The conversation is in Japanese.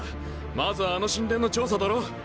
まずはあの神殿の調査だろ？